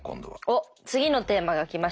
おっ次のテーマが来ました。